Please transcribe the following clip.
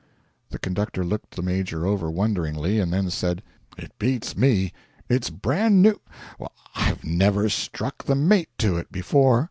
The conductor looked the Major over wonderingly, and then said: 'It beats me it's bran new I've never struck the mate to it before.